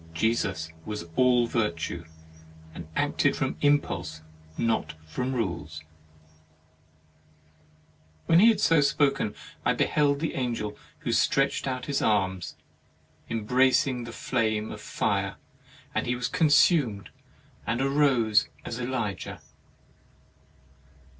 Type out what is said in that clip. Jesus was all virtue, and acted from im pulse, not from rules." 41 THE MARRIAGE OF When he had so spoken, I beheld the Angel, who stretched out his arms embracing the flame of fire, and he was consumed, and arose as Elijah.